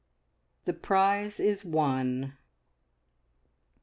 THE PRIZE IS WON.